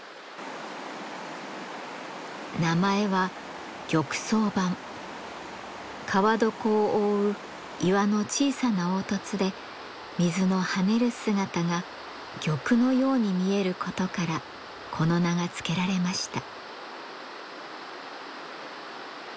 名前は川床を覆う岩の小さな凹凸で水の跳ねる姿が玉のように見えることからこの名が付けられました。